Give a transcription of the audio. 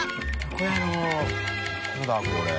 これ。